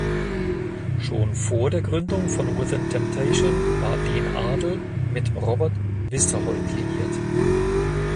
Schon vor der Gründung von Within Temptation war den Adel mit Robert Westerholt liiert.